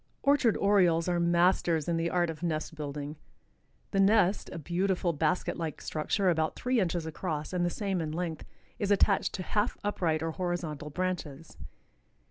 Orchard Orioles are masters in the art of nest building. The nest, a beautiful basket like structure about three inches across and the same in length, is attached to half upright or horizontal branches.